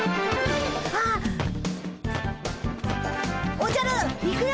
おじゃるいくよ！